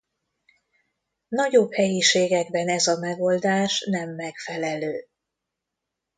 Nagyobb helyiségekben ez a megoldás nem megfelelő.